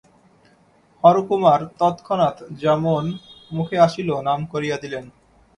হরকুমার তৎক্ষণাৎ যেমন মুখে আসিল নাম করিয়া দিলেন।